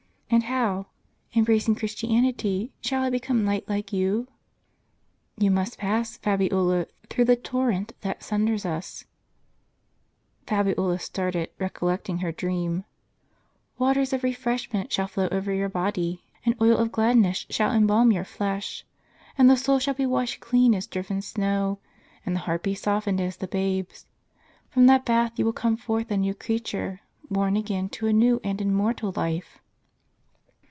And how, embracing Christianity, shall I become light like you?" "You must pass, Fabiola, through the torrent that sun ders us" (Fabiola started, recollecting her dream) . "Waters of refreshment shall flow over your body, and oil of gladness shall embalm your flesh ; and the soul shall be washed clean as driven snow, and the heart be softened as the babe's. From that bath you will come forth a new creature, born again to a new and immortal life."